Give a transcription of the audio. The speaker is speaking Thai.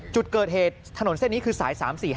จุดเกิดเหตุถนนเส้นนี้คือสาย๓๔๕